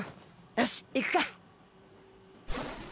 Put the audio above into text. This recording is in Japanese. よし行くか。